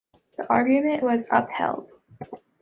The argument was upheld.